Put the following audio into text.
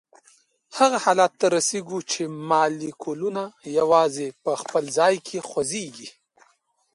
هغه حالت ته رسیږو چې مالیکولونه یوازي په خپل ځای کې خوځیږي.